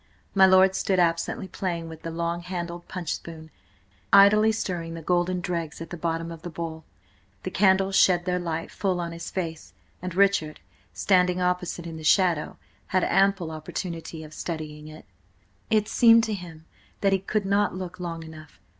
My lord stood absently playing with the long handled punch spoon, idly stirring the golden dregs at the bottom of the bowl. The candles shed their light full on his face, and Richard, standing opposite in the shadow, had ample opportunity of studying it. It seemed to him that he could not look long enough.